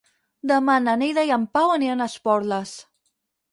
Demà na Neida i en Pau aniran a Esporles.